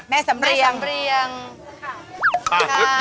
แม่สำเรียงสำเรียงบอกว่ามั้ยคะค่ะ